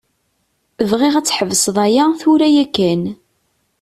Bɣiɣ ad tḥebseḍ aya tura yakan.